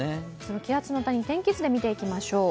気圧の谷天気図で見ていきましょう。